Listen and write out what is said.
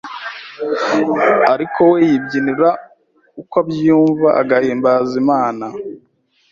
ariko we yibyinira uko abyumva agahimbaza Imana